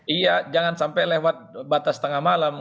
iya jangan sampai lewat batas tengah malam